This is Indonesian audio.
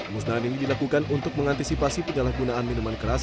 musnahan ini dilakukan untuk mengantisipasi penyalahgunaan minuman keras